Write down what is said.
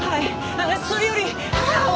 あっそれより母を！